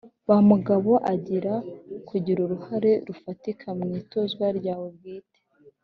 Ba mugabo arigira kugira uruhare rufatika mu ituzwa ryawe bwite